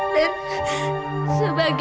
tidak ada tanggungi